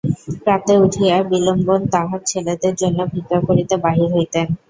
প্রাতে উঠিয়া বিল্বন তাঁহার ছেলেদের জন্য ভিক্ষা করিতে বাহির হইতেন।